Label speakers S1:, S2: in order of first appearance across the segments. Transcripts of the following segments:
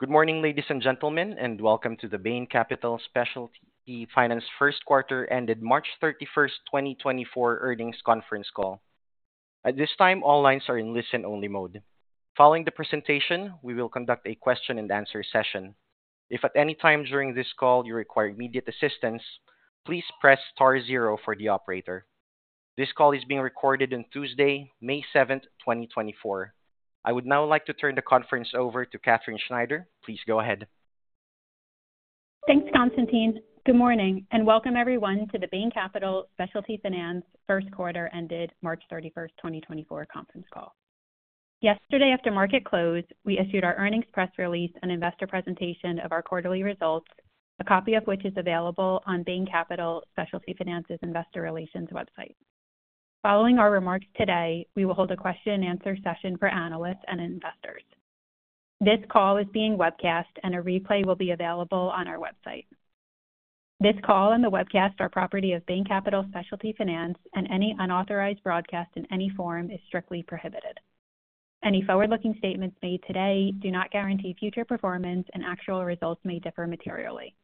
S1: Good morning, ladies and gentlemen, and welcome to the Bain Capital Specialty Finance First Quarter Ended March 31, 2024 Earnings Conference Call. At this time, all lines are in listen-only mode. Following the presentation, we will conduct a question and answer session. If at any time during this call you require immediate assistance, please press star zero for the operator. This call is being recorded on Tuesday, May 7, 2024. I would now like to turn the conference over to Katherine Schneider. Please go ahead.
S2: Thanks, Constantine. Good morning, and welcome everyone to the Bain Capital Specialty Finance First Quarter Ended March 31st, 2024 Conference Call. Yesterday, after market close, we issued our earnings press release and investor presentation of our quarterly results, a copy of which is available on Bain Capital Specialty Finance's Investor Relations website. Following our remarks today, we will hold a question and answer session for analysts and investors. This call is being webcast, and a replay will be available on our website. This call and the webcast are property of Bain Capital Specialty Finance, and any unauthorized broadcast in any form is strictly prohibited. Any forward-looking statements made today do not guarantee future performance, and actual results may differ materially.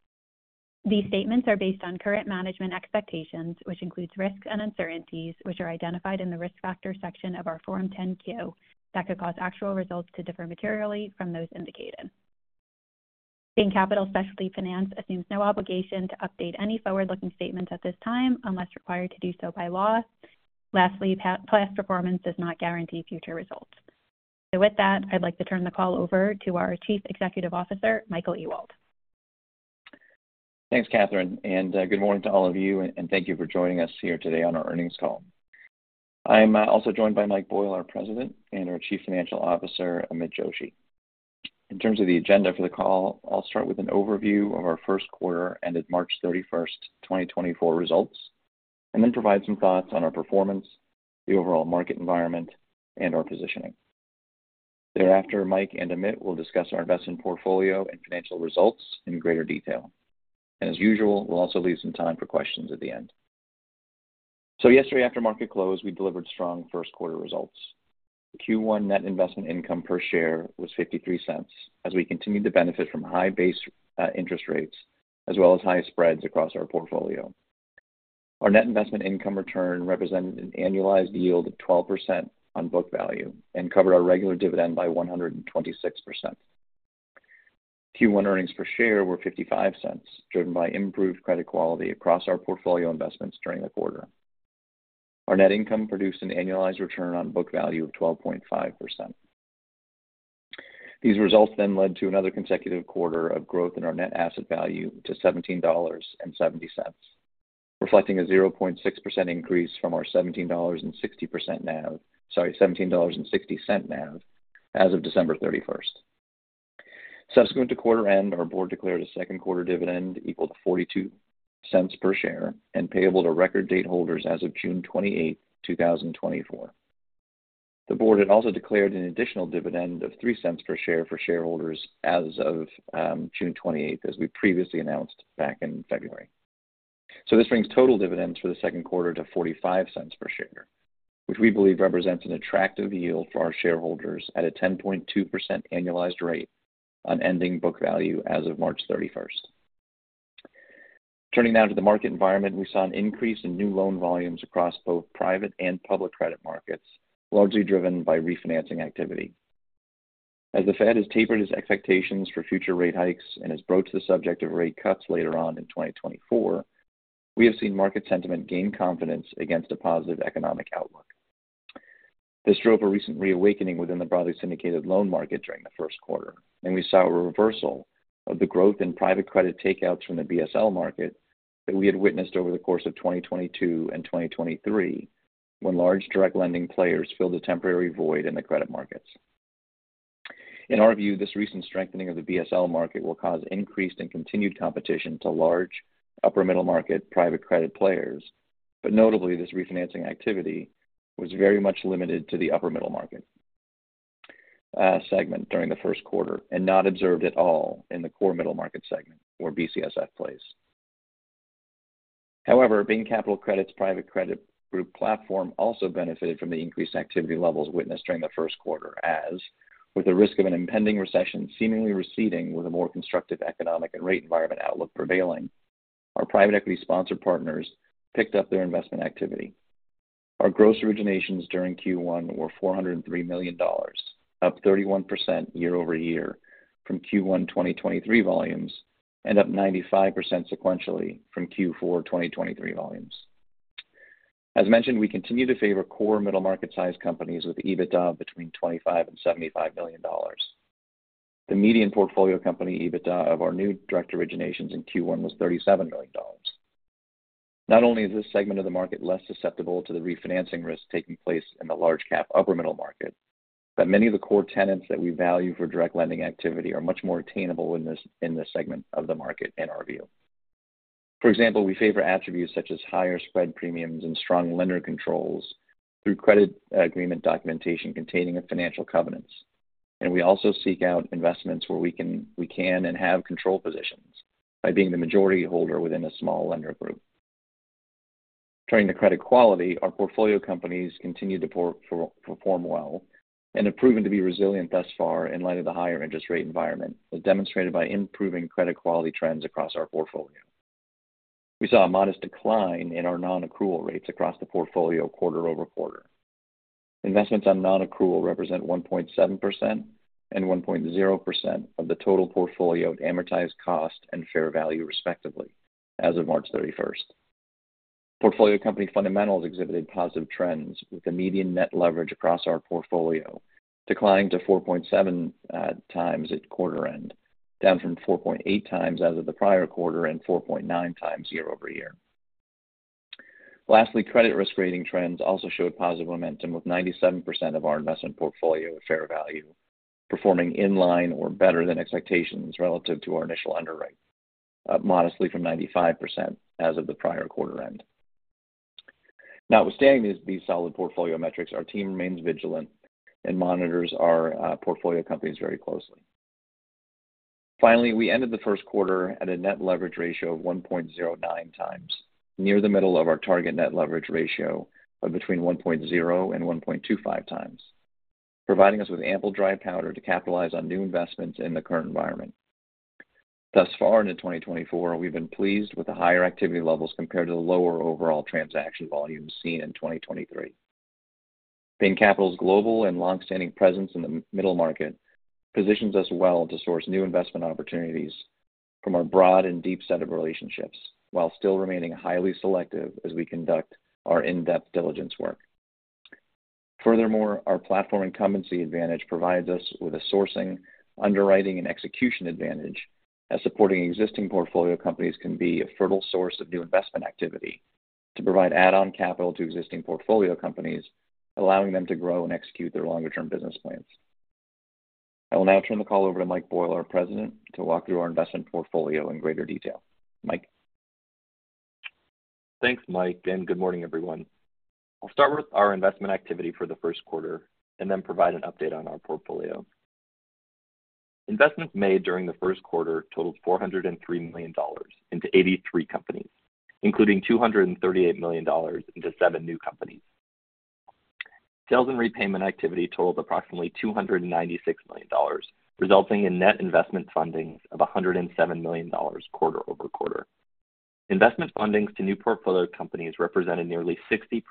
S2: These statements are based on current management expectations, which includes risks and uncertainties, which are identified in the Risk Factors section of our Form 10-Q, that could cause actual results to differ materially from those indicated. Bain Capital Specialty Finance assumes no obligation to update any forward-looking statements at this time, unless required to do so by law. Lastly, past performance does not guarantee future results. So with that, I'd like to turn the call over to our Chief Executive Officer, Michael Ewald.
S3: Thanks, Katherine, and good morning to all of you, and thank you for joining us here today on our earnings call. I'm also joined by Mike Boyle, our President, and our Chief Financial Officer, Amit Joshi. In terms of the agenda for the call, I'll start with an overview of our first quarter ended March 31, 2024 results, and then provide some thoughts on our performance, the overall market environment, and our positioning. Thereafter, Mike and Amit will discuss our investment portfolio and financial results in greater detail. And as usual, we'll also leave some time for questions at the end. So yesterday, after market close, we delivered strong first quarter results. Q1 net investment income per share was $0.53, as we continued to benefit from high base interest rates, as well as high spreads across our portfolio. Our net investment income return represented an annualized yield of 12% on book value and covered our regular dividend by 126%. Q1 earnings per share were $0.55, driven by improved credit quality across our portfolio investments during the quarter. Our net income produced an annualized return on book value of 12.5%. These results then led to another consecutive quarter of growth in our net asset value to $17.70, reflecting a 0.6% increase from our $17.60 NAV... Sorry, $17.60 NAV as of December 31st. Subsequent to quarter end, our board declared a second quarter dividend equal to $0.42 per share and payable to record date holders as of June 28th, 2024. The board had also declared an additional dividend of $0.03 per share for shareholders as of June 28th, as we previously announced back in February. This brings total dividends for the second quarter to $0.45 per share, which we believe represents an attractive yield for our shareholders at a 10.2% annualized rate on ending book value as of March 31st. Turning now to the market environment, we saw an increase in new loan volumes across both private and public credit markets, largely driven by refinancing activity. As the Fed has tapered its expectations for future rate hikes and has broached the subject of rate cuts later on in 2024, we have seen market sentiment gain confidence against a positive economic outlook. This drove a recent reawakening within the broadly syndicated loan market during the first quarter, and we saw a reversal of the growth in private credit takeouts from the BSL market that we had witnessed over the course of 2022 and 2023, when large direct lending players filled a temporary void in the credit markets. In our view, this recent strengthening of the BSL market will cause increased and continued competition to large upper middle market private credit players. But notably, this refinancing activity was very much limited to the upper middle market, segment during the first quarter, and not observed at all in the core middle market segment, where BCSF plays. However, Bain Capital Credit's private credit group platform also benefited from the increased activity levels witnessed during the first quarter, as with the risk of an impending recession seemingly receding with a more constructive economic and rate environment outlook prevailing, our private equity sponsor partners picked up their investment activity. Our gross originations during Q1 were $403 million, up 31% year-over-year from Q1 2023 volumes and up 95% sequentially from Q4 2023 volumes. As mentioned, we continue to favor core middle market size companies with EBITDA between $25 million to $75 million. The median portfolio company, EBITDA of our new direct originations in Q1, was $37 million. Not only is this segment of the market less susceptible to the refinancing risk taking place in the large cap upper middle market, but many of the core tenets that we value for direct lending activity are much more attainable in this segment of the market, in our view. For example, we favor attributes such as higher spread premiums and strong lender controls through credit agreement documentation containing financial covenants. We also seek out investments where we can and have control positions by being the majority holder within a small lender group... Turning to credit quality, our portfolio companies continue to perform well and have proven to be resilient thus far in light of the higher interest rate environment, as demonstrated by improving credit quality trends across our portfolio. We saw a modest decline in our nonaccrual rates across the portfolio quarter-over-quarter. Investments on nonaccrual represent 1.7% and 1.0% of the total portfolio at amortized cost and fair value, respectively, as of March 31. Portfolio company fundamentals exhibited positive trends, with the median net leverage across our portfolio declining to 4.7x at quarter end, down from 4.8x as of the prior quarter, and 4.9x year-over-year. Lastly, credit risk rating trends also showed positive momentum, with 97% of our investment portfolio at fair value performing in line or better than expectations relative to our initial underwrite, modestly from 95% as of the prior quarter end. Notwithstanding these solid portfolio metrics, our team remains vigilant and monitors our portfolio companies very closely. Finally, we ended the first quarter at a net leverage ratio of 1.09x, near the middle of our target net leverage ratio of between 1.0 and 1.25x, providing us with ample dry powder to capitalize on new investments in the current environment. Thus far into 2024, we've been pleased with the higher activity levels compared to the lower overall transaction volumes seen in 2023. Bain Capital's global and long-standing presence in the middle market positions us well to source new investment opportunities from our broad and deep set of relationships, while still remaining highly selective as we conduct our in-depth diligence work. Furthermore, our platform incumbency advantage provides us with a sourcing, underwriting, and execution advantage, as supporting existing portfolio companies can be a fertile source of new investment activity to provide add-on capital to existing portfolio companies, allowing them to grow and execute their longer-term business plans. I will now turn the call over to Mike Boyle, our president, to walk through our investment portfolio in greater detail. Mike?
S4: Thanks, Mike, and good morning, everyone. I'll start with our investment activity for the first quarter and then provide an update on our portfolio. Investments made during the first quarter totaled $403 million into 83 companies, including $238 million into seven new companies. Sales and repayment activity totaled approximately $296 million, resulting in net investment fundings of $107 million quarter-over-quarter. Investment fundings to new portfolio companies represented nearly 60%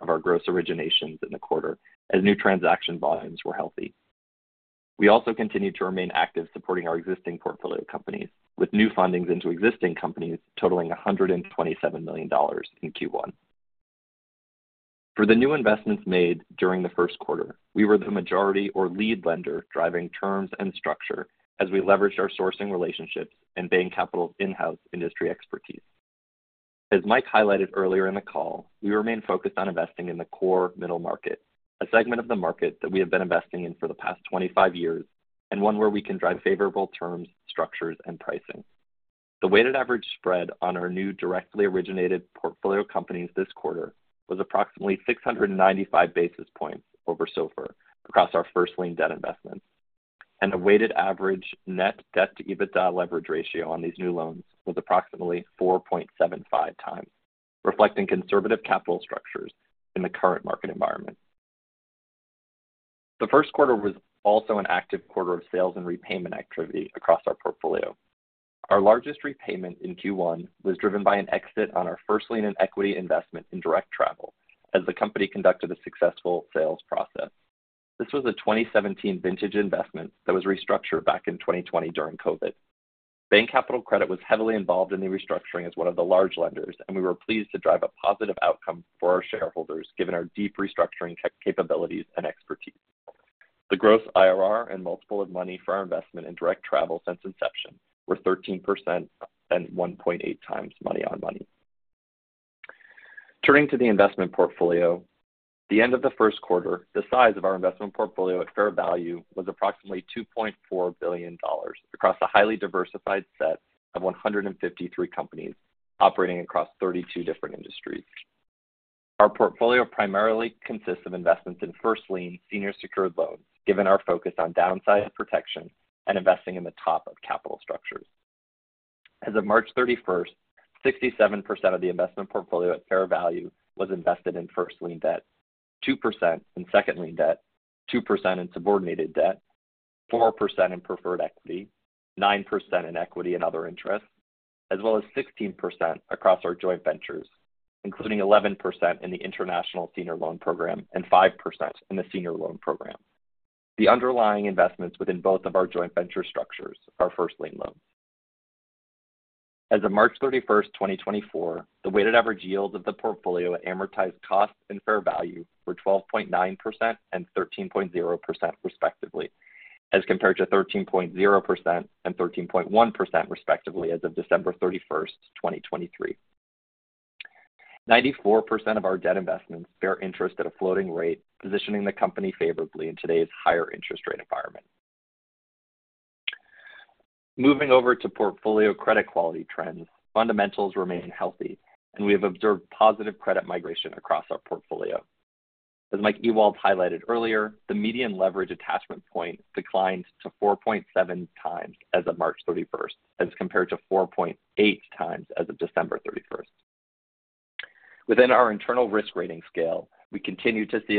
S4: of our gross originations in the quarter, as new transaction volumes were healthy. We also continued to remain active supporting our existing portfolio companies, with new fundings into existing companies totaling $127 million in Q1. For the new investments made during the first quarter, we were the majority or lead lender, driving terms and structure as we leveraged our sourcing relationships and Bain Capital's in-house industry expertise. As Mike highlighted earlier in the call, we remain focused on investing in the core middle market, a segment of the market that we have been investing in for the past 25 years, and one where we can drive favorable terms, structures, and pricing. The weighted average spread on our new directly originated portfolio companies this quarter was approximately 695 basis points over SOFR across our first lien debt investments, and a weighted average net debt to EBITDA leverage ratio on these new loans was approximately 4.75x, reflecting conservative capital structures in the current market environment. The first quarter was also an active quarter of sales and repayment activity across our portfolio. Our largest repayment in Q1 was driven by an exit on our first lien and equity investment in Direct Travel, as the company conducted a successful sales process. This was a 2017 vintage investment that was restructured back in 2020 during COVID. Bain Capital Credit was heavily involved in the restructuring as one of the large lenders, and we were pleased to drive a positive outcome for our shareholders, given our deep restructuring capabilities and expertise. The gross IRR and multiple of money for our investment in Direct Travel since inception were 13% and 1.8x money on money. Turning to the investment portfolio, at the end of the first quarter, the size of our investment portfolio at fair value was approximately $2.4 billion across a highly diversified set of 153 companies operating across 32 different industries. Our portfolio primarily consists of investments in first lien senior secured loans, given our focus on downside protection and investing in the top of capital structures. As of March 31, 67% of the investment portfolio at fair value was invested in first lien debt, 2% in second lien debt, 2% in subordinated debt, 4% in preferred equity, 9% in equity and other interests, as well as 16% across our joint ventures, including 11% in the International Senior Loan Program and 5% in the Senior Loan Program. The underlying investments within both of our joint venture structures are first lien loans. As of March 31, 2024, the weighted average yield of the portfolio at amortized cost and fair value were 12.9% and 13.0%, respectively, as compared to 13.0% and 13.1%, respectively, as of December 31, 2023. 94% of our debt investments bear interest at a floating rate, positioning the company favorably in today's higher interest rate environment. Moving over to portfolio credit quality trends, fundamentals remain healthy, and we have observed positive credit migration across our portfolio.... As Mike Ewald highlighted earlier, the median leverage attachment point declined to 4.7x as of March 31, as compared to 4.8x as of December 31. Within our internal risk rating scale, we continue to see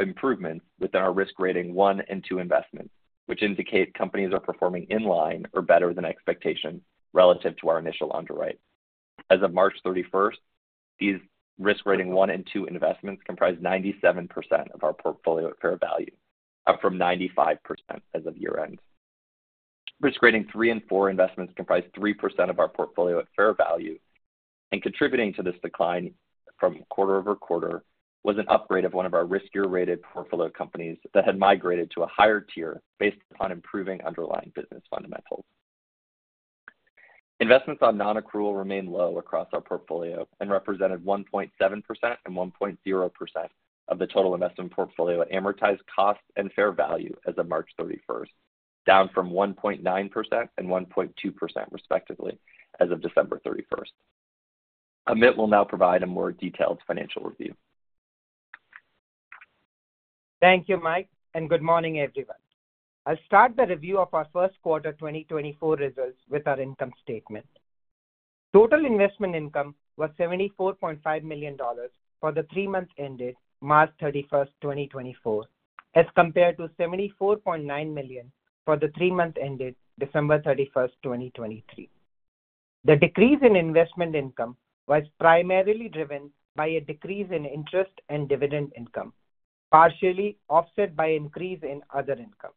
S4: improvements within our risk rating one and two investments, which indicate companies are performing in line or better than expectations relative to our initial underwrite. As of March 31, these risk rating one and two investments comprised 97% of our portfolio at fair value, up from 95% as of year-end. Risk rating three and four investments comprised 3% of our portfolio at fair value, and contributing to this decline from quarter-over-quarter was an upgrade of one of our riskier rated portfolio companies that had migrated to a higher tier based upon improving underlying business fundamentals. Investments on nonaccrual remained low across our portfolio and represented 1.7% and 1.0% of the total investment portfolio at amortized cost and fair value as of March 31, down from 1.9% and 1.2% respectively, as of December 31. Amit will now provide a more detailed financial review.
S5: Thank you, Mike, and good morning, everyone. I'll start the review of our first quarter 2024 results with our income statement. Total investment income was $74.5 million for the three months ended March 31, 2024, as compared to $74.9 million for the three months ended December 31, 2023. The decrease in investment income was primarily driven by a decrease in interest and dividend income, partially offset by increase in other income.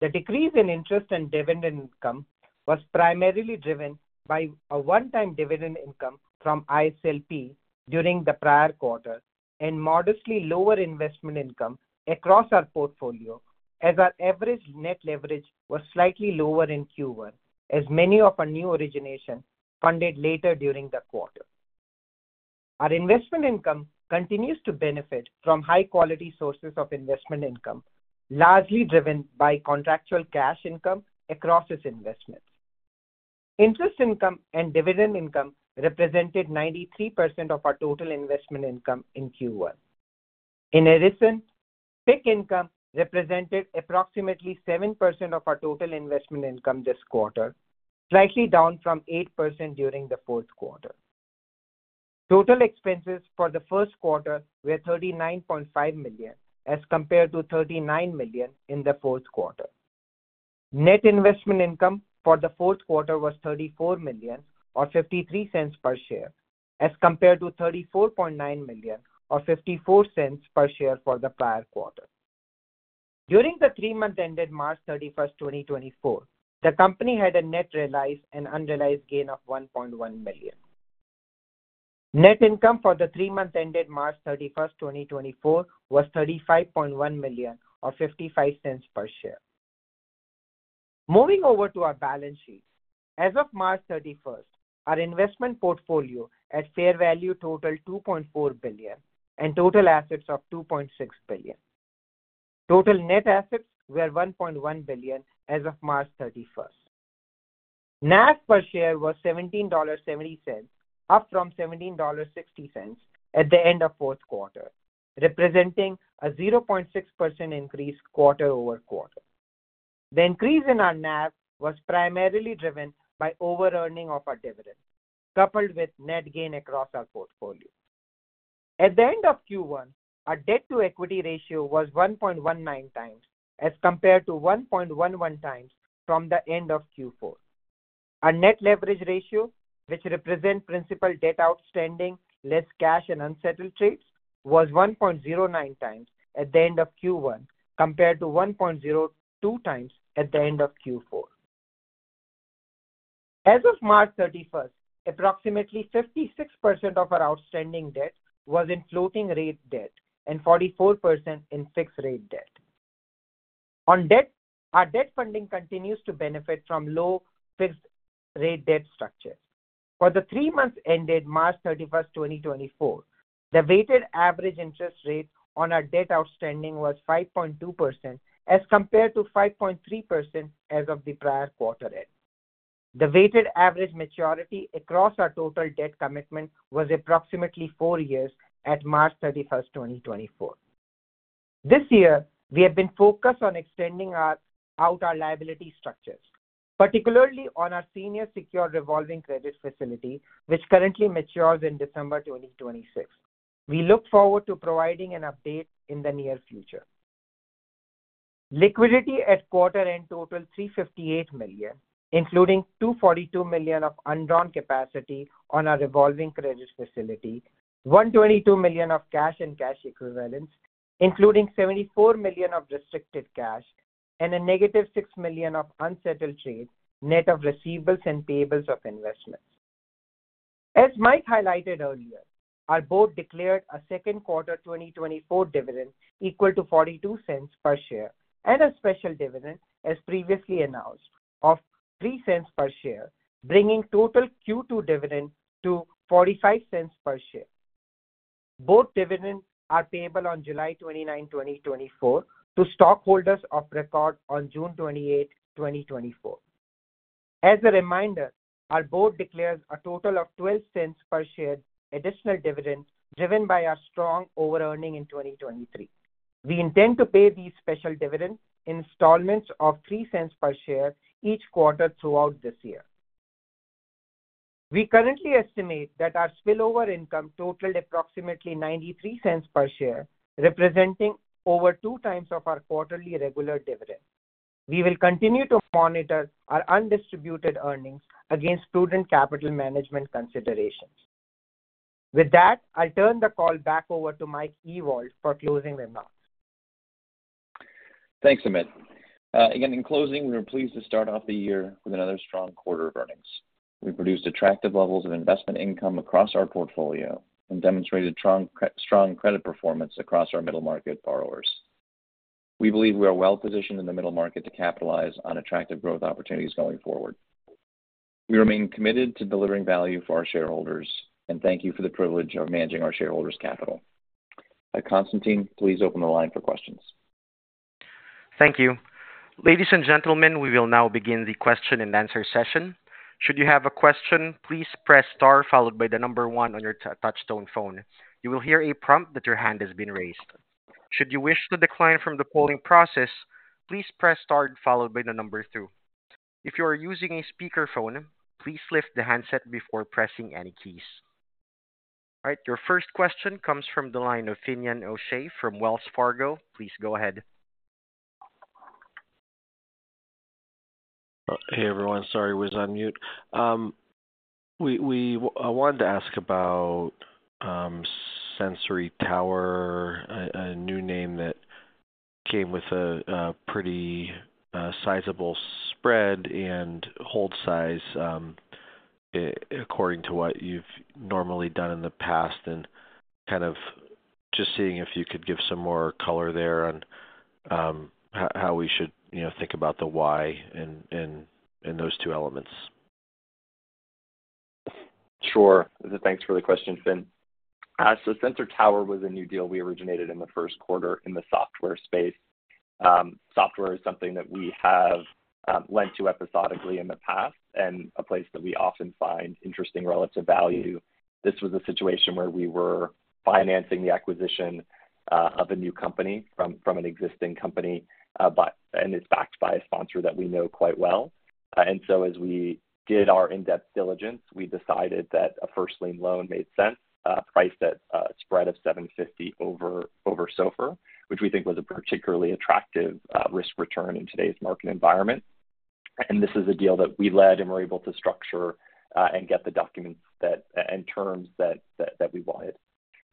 S5: The decrease in interest and dividend income was primarily driven by a one-time dividend income from ISLP during the prior quarter, and modestly lower investment income across our portfolio, as our average net leverage was slightly lower in Q1, as many of our new originations funded later during the quarter. Our investment income continues to benefit from high-quality sources of investment income, largely driven by contractual cash income across its investments. Interest income and dividend income represented 93% of our total investment income in Q1. In addition, PIK income represented approximately 7% of our total investment income this quarter, slightly down from 8% during the fourth quarter. Total expenses for the first quarter were $39.5 million, as compared to $39 million in the fourth quarter. Net investment income for the fourth quarter was $34 million, or $0.53 per share, as compared to $34.9 million, or $0.54 per share for the prior quarter. During the three months ended March 31, 2024, the company had a net realized and unrealized gain of $1.1 million. Net income for the three months ended March 31, 2024, was $35.1 million, or $0.55 per share. Moving over to our balance sheet. As of March 31, our investment portfolio at fair value totaled $2.4 billion, and total assets of $2.6 billion. Total net assets were $1.1 billion as of March 31. NAV per share was $17.70, up from $17.60 at the end of fourth quarter, representing a 0.6% increase quarter-over-quarter. The increase in our NAV was primarily driven by overearning of our dividend, coupled with net gain across our portfolio. At the end of Q1, our debt-to-equity ratio was 1.19x, as compared to 1.11x from the end of Q4. Our net leverage ratio, which represent principal debt outstanding, less cash and unsettled trades, was 1.09x at the end of Q1, compared to 1.02x at the end of Q4. As of March 31st, approximately 56% of our outstanding debt was in floating rate debt and 44% in fixed rate debt. On debt, our debt funding continues to benefit from low fixed rate debt structure. For the three months ended March 31st, 2024, the weighted average interest rate on our debt outstanding was 5.2%, as compared to 5.3% as of the prior quarter end. The weighted average maturity across our total debt commitment was approximately four years at March 31st, 2024. This year, we have been focused on extending out our liability structures, particularly on our senior secured revolving credit facility, which currently matures in December 2026. We look forward to providing an update in the near future. Liquidity at quarter end totaled $358 million, including $242 million of undrawn capacity on our revolving credit facility, $122 million of cash and cash equivalents, including $74 million of restricted cash, and -$6 million of unsettled trade, net of receivables and payables of investments. As Mike highlighted earlier, our board declared a second quarter 2024 dividend equal to $0.42 per share, and a special dividend, as previously announced, of $0.03 per share, bringing total Q2 dividend to $0.45 per share. Both dividends are payable on July 29, 2024, to stockholders of record on June 28, 2024.... As a reminder, our board declares a total of $0.12 per share additional dividend, driven by our strong overearning in 2023. We intend to pay these special dividends in installments of $0.03 per share each quarter throughout this year. We currently estimate that our spillover income totaled approximately $0.93 per share, representing over 2x of our quarterly regular dividend. We will continue to monitor our undistributed earnings against prudent capital management considerations. With that, I turn the call back over to Mike Ewald for closing remarks.
S3: Thanks, Amit. Again, in closing, we are pleased to start off the year with another strong quarter of earnings. We produced attractive levels of investment income across our portfolio and demonstrated strong credit performance across our middle market borrowers. We believe we are well positioned in the middle market to capitalize on attractive growth opportunities going forward. We remain committed to delivering value for our shareholders, and thank you for the privilege of managing our shareholders' capital. Constantine, please open the line for questions.
S1: Thank you. Ladies and gentlemen, we will now begin the question-and-answer session. Should you have a question, please press star followed by the number one on your touch-tone phone. You will hear a prompt that your hand has been raised. Should you wish to decline from the polling process, please press star followed by the number two. If you are using a speakerphone, please lift the handset before pressing any keys. All right, your first question comes from the line of Finian O'Shea from Wells Fargo. Please go ahead.
S6: Hey, everyone. Sorry, was on mute. I wanted to ask about Sensor Tower, a new name that came with a pretty sizable spread and hold size, according to what you've normally done in the past, and kind of just seeing if you could give some more color there on how we should, you know, think about the why in those two elements.
S3: Sure. Thanks for the question, Finn. So Sensor Tower was a new deal we originated in the first quarter in the software space. Software is something that we have lent to episodically in the past and a place that we often find interesting relative value. This was a situation where we were financing the acquisition of a new company from an existing company, by- and it's backed by a sponsor that we know quite well. And so as we did our in-depth diligence, we decided that a first lien loan made sense, priced at a spread of 750 over SOFR, which we think was a particularly attractive risk return in today's market environment. This is a deal that we led and were able to structure, and get the documents that, and terms that we wanted.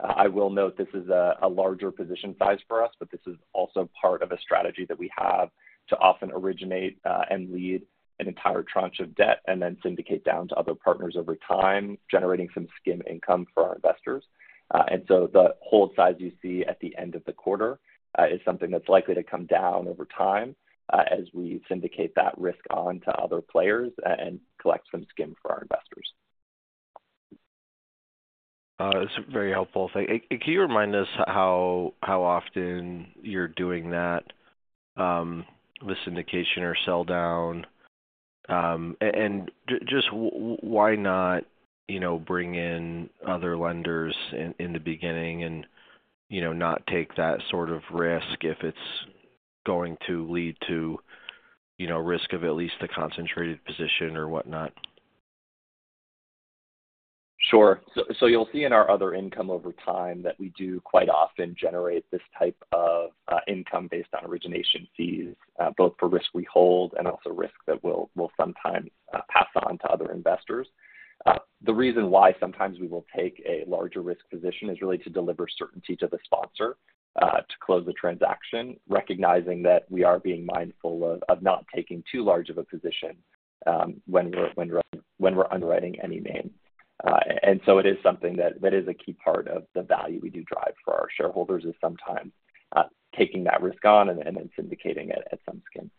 S3: I will note this is a larger position size for us, but this is also part of a strategy that we have to often originate, and lead an entire tranche of debt, and then syndicate down to other partners over time, generating some skim income for our investors. And so the hold size you see at the end of the quarter, is something that's likely to come down over time, as we syndicate that risk on to other players and collect some skim for our investors.
S6: This is very helpful. So can you remind us how often you're doing that, the syndication or sell down? And just why not, you know, bring in other lenders in the beginning and, you know, not take that sort of risk if it's going to lead to, you know, risk of at least a concentrated position or whatnot?
S3: Sure. So you'll see in our other income over time, that we do quite often generate this type of income based on origination fees, both for risk we hold and also risk that we'll sometimes pass on to other investors. The reason why sometimes we will take a larger risk position is really to deliver certainty to the sponsor to close the transaction, recognizing that we are being mindful of not taking too large of a position when we're underwriting any name. And so it is something that is a key part of the value we do drive for our shareholders, is sometimes taking that risk on and then syndicating it at some skim.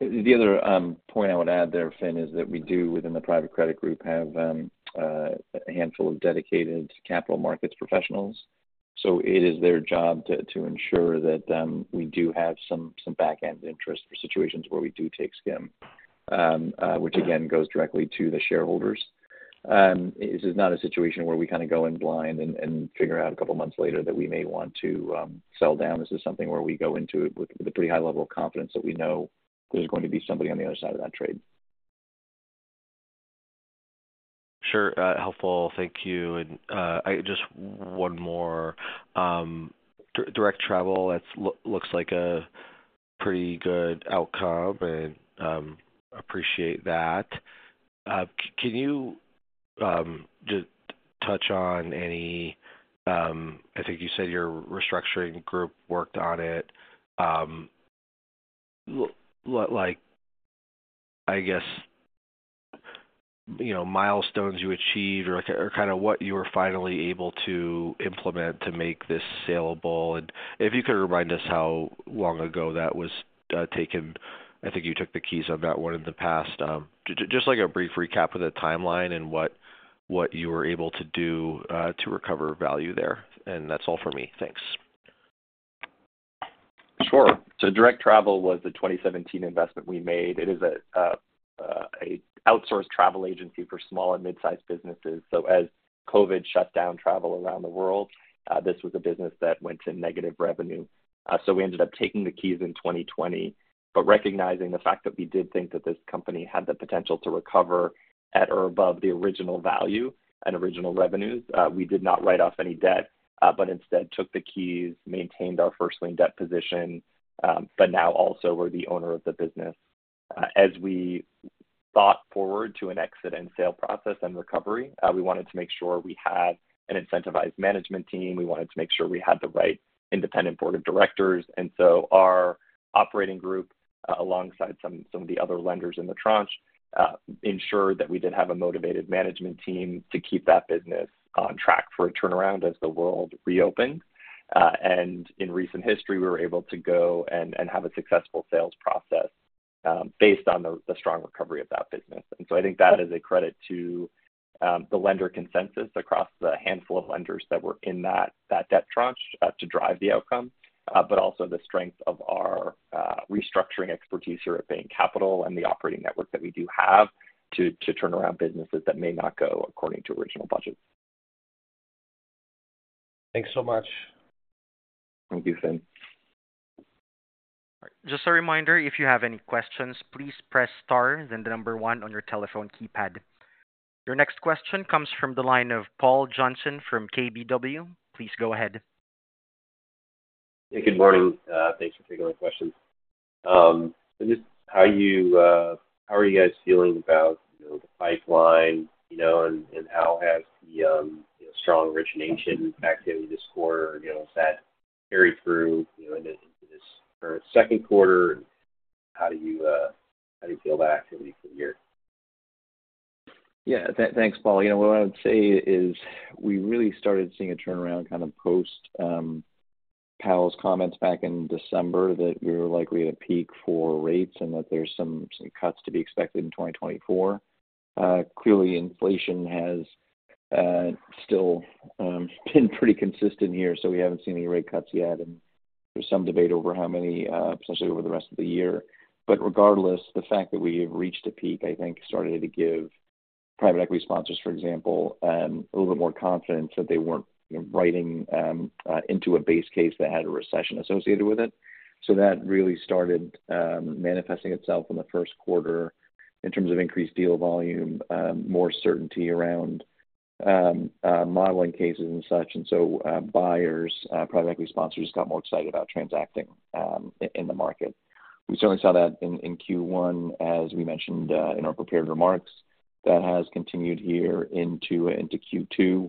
S5: The other point I would add there, Finn, is that we do, within the private credit group, have a handful of dedicated capital markets professionals. So it is their job to ensure that we do have some back-end interest for situations where we do take skim, which again, goes directly to the shareholders. This is not a situation where we kind of go in blind and figure out a couple months later that we may want to sell down. This is something where we go into it with a pretty high level of confidence that we know there's going to be somebody on the other side of that trade.
S6: Sure. Helpful. Thank you. I just one more. Direct Travel, it looks like a pretty good outcome, and appreciate that. Can you just touch on any... I think you said your restructuring group worked on it. Like, I guess, you know, milestones you achieved or, like, or kind of what you were finally able to implement to make this saleable, and if you could remind us how long ago that was taken. I think you took the keys on that one in the past. Just like a brief recap of the timeline and what, what you were able to do to recover value there. And that's all for me. Thanks.
S3: Sure. So Direct Travel was the 2017 investment we made. It is a outsourced travel agency for small and mid-sized businesses. So as COVID shut down travel around the world, this was a business that went to negative revenue. So we ended up taking the keys in 2020. But recognizing the fact that we did think that this company had the potential to recover at or above the original value and original revenues, we did not write off any debt, but instead took the keys, maintained our first lien debt position, but now also we're the owner of the business. As we thought forward to an exit and sale process and recovery, we wanted to make sure we had an incentivized management team. We wanted to make sure we had the right independent board of directors. And so our operating group, alongside some of the other lenders in the tranche, ensured that we did have a motivated management team to keep that business on track for a turnaround as the world reopened. And in recent history, we were able to go and have a successful sales process, based on the strong recovery of that business. And so I think that is a credit to the lender consensus across the handful of lenders that were in that debt tranche, to drive the outcome, but also the strength of our restructuring expertise here at Bain Capital and the operating network that we do have to turn around businesses that may not go according to original budget.
S6: Thanks so much.
S3: Thank you, Finn.
S1: Just a reminder, if you have any questions, please press star, then the number one on your telephone keypad. Your next question comes from the line of Paul Johnson from KBW. Please go ahead.
S7: Hey, good morning. Thanks for taking my question. So just how you, how are you guys feeling about, you know, the pipeline, you know, and how has the, you know, strong origination activity this quarter, you know, has that carried through, you know, into this current second quarter? How do you, how do you feel the activity for the year?
S3: Yeah, thanks, Paul. You know, what I would say is we really started seeing a turnaround kind of post Powell's comments back in December, that we were likely at a peak for rates and that there's some cuts to be expected in 2024. Clearly, inflation has still been pretty consistent here, so we haven't seen any rate cuts yet, and there's some debate over how many potentially over the rest of the year. But regardless, the fact that we have reached a peak, I think, started to give private equity sponsors, for example, a little bit more confidence that they weren't writing into a base case that had a recession associated with it. So that really started manifesting itself in the first quarter in terms of increased deal volume, more certainty around modeling cases and such. And so, buyers, private equity sponsors got more excited about transacting in the market. We certainly saw that in Q1, as we mentioned in our prepared remarks. That has continued here into Q2.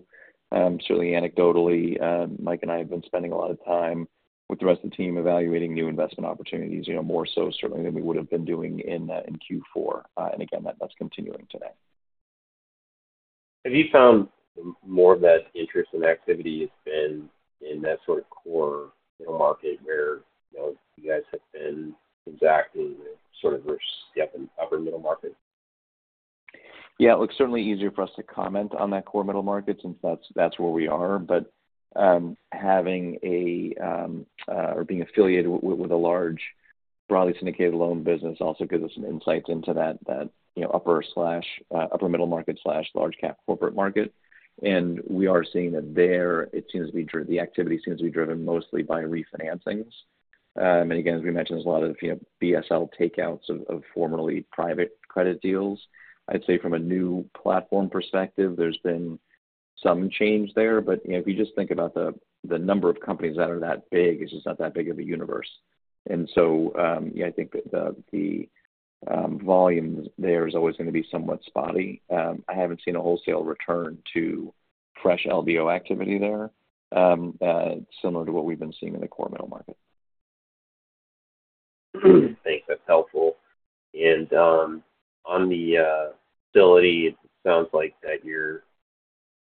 S3: Certainly anecdotally, Mike and I have been spending a lot of time with the rest of the team, evaluating new investment opportunities, you know, more so certainly than we would have been doing in Q4. And again, that's continuing today.
S7: Have you found more of that interest and activity has been in that sort of core middle market where, you know, you guys have been exacting and sort of step in upper middle market?
S3: Yeah, look, certainly easier for us to comment on that core middle market since that's, that's where we are. But, having a, or being affiliated with a large broadly syndicated loan business also gives us some insight into that, that, you know, upper slash upper middle market slash large cap corporate market. And we are seeing that there, it seems to be the activity seems to be driven mostly by refinancings. And again, as we mentioned, there's a lot of, you know, BSL takeouts of, of formerly private credit deals. I'd say from a new platform perspective, there's been some change there, but, you know, if you just think about the, the number of companies that are that big, it's just not that big of a universe. Yeah, I think the volume there is always gonna be somewhat spotty. I haven't seen a wholesale return to fresh LBO activity there, similar to what we've been seeing in the core middle market.
S7: Thanks, that's helpful. On the facility, it sounds like that you're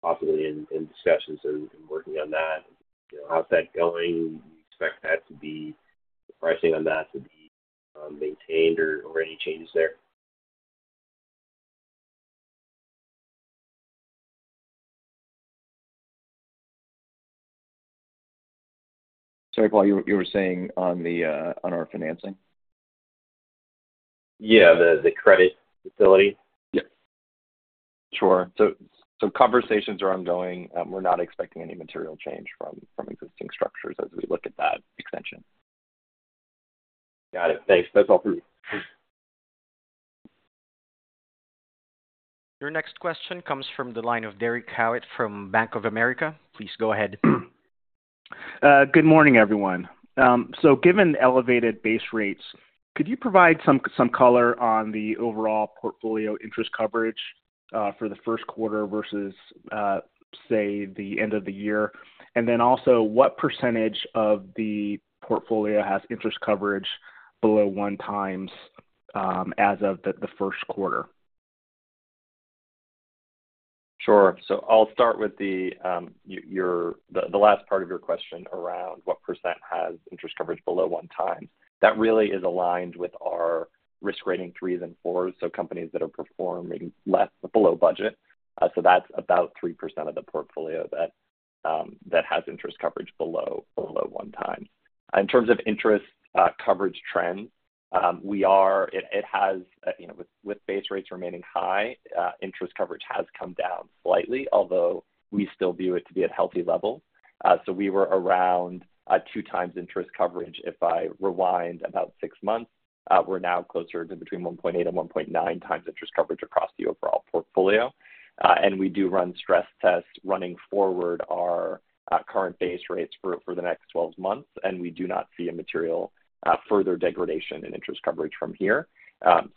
S7: possibly in discussions and working on that. You know, how's that going? Do you expect that to be the pricing on that to be maintained or any changes there?
S3: Sorry, Paul, you were saying on the, on our financing?
S7: Yeah, the credit facility.
S3: Yeah. Sure. So conversations are ongoing. We're not expecting any material change from existing structures as we look at that extension.
S7: Got it. Thanks. That's all for me.
S1: Your next question comes from the line of Derek Hewett from Bank of America. Please go ahead.
S8: Good morning, everyone. So given the elevated base rates, could you provide some color on the overall portfolio interest coverage for the first quarter versus, say, the end of the year? And then also, what percentage of the portfolio has interest coverage below 1x as of the first quarter?
S4: Sure. So I'll start with the last part of your question around what percent has interest coverage below one times. That really is aligned with our risk rating threes and fours, so companies that are performing less below budget. So that's about 3% of the portfolio that has interest coverage below 1x. In terms of interest coverage trends, you know, with base rates remaining high, interest coverage has come down slightly, although we still view it to be at healthy levels. So we were around 2x interest coverage if I rewind about six months. We're now closer to between 1.8x and 1.9x interest coverage across the overall portfolio. And we do run stress tests running forward our current base rates for the next 12 months, and we do not see a material further degradation in interest coverage from here.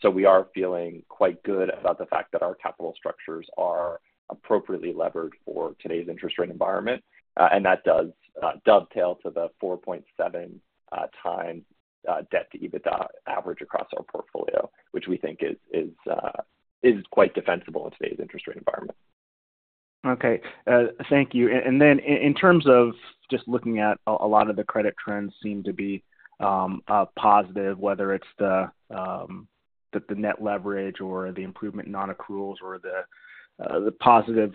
S4: So we are feeling quite good about the fact that our capital structures are appropriately levered for today's interest rate environment, and that does dovetail to the 4.7x debt to EBITDA average across our portfolio, which we think is quite defensible in today's interest rate environment.
S8: Okay, thank you. And then in terms of just looking at a lot of the credit trends seem to be positive, whether it's the net leverage or the improvement in nonaccruals or the positive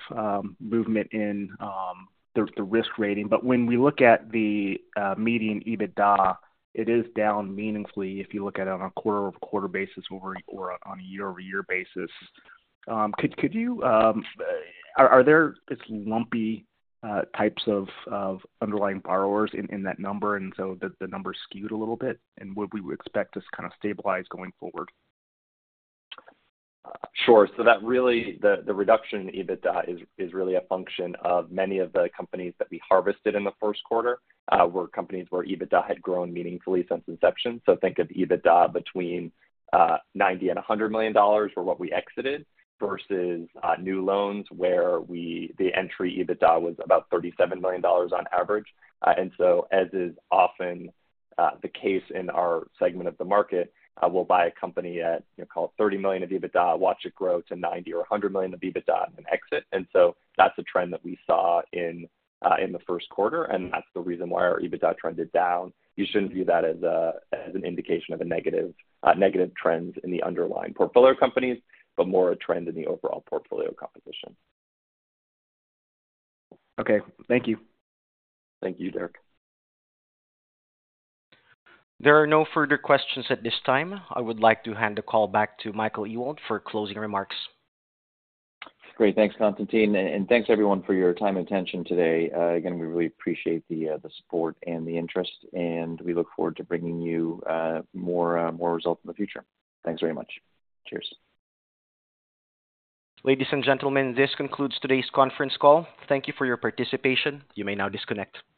S8: movement in the risk rating. But when we look at the median EBITDA, it is down meaningfully if you look at it on a quarter-over-quarter basis or on a year-over-year basis. Could you... Are there these lumpy types of underlying borrowers in that number, and so the number is skewed a little bit, and would we expect this to kind of stabilize going forward?
S3: Sure. So that really, the reduction in EBITDA is really a function of many of the companies that we harvested in the first quarter were companies where EBITDA had grown meaningfully since inception. So think of EBITDA between $90 million and $100 million for what we exited versus new loans, where the entry EBITDA was about $37 million on average. And so, as is often the case in our segment of the market, we'll buy a company at, you know, call it $30 million of EBITDA, watch it grow to $90 million or $100 million of EBITDA and exit. And so that's a trend that we saw in the first quarter, and that's the reason why our EBITDA trended down. You shouldn't view that as a, as an indication of a negative, negative trend in the underlying portfolio companies, but more a trend in the overall portfolio composition.
S8: Okay. Thank you.
S3: Thank you, Derek.
S1: There are no further questions at this time. I would like to hand the call back to Michael Ewald for closing remarks.
S3: Great. Thanks, Constantine, and thanks, everyone, for your time and attention today. Again, we really appreciate the support and the interest, and we look forward to bringing you more results in the future. Thanks very much. Cheers.
S1: Ladies and gentlemen, this concludes today's conference call. Thank you for your participation. You may now disconnect.